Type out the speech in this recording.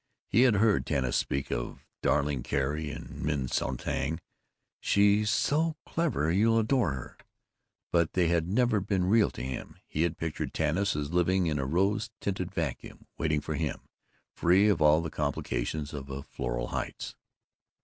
He had heard Tanis speak of "darling Carrie" and "Min Sonntag she's so clever you'll adore her," but they had never been real to him. He had pictured Tanis as living in a rose tinted vacuum, waiting for him, free of all the complications of a Floral Heights.